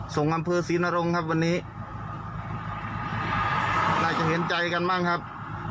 ส่งอำเภอศรีนรงค์ครับวันนี้น่าจะเห็นใจกันบ้างครับ